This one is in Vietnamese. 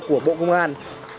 của bộ công an